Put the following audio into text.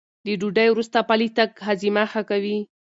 له ډوډۍ وروسته پلی تګ هاضمه ښه کوي.